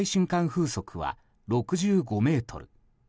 風速は６５メートル。